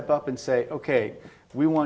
kita ingin pekerjaan